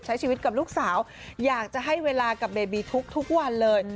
ใช้ชีวิตกับลูกสาวอยากจะให้เวลากับเบบีทุกวันเลย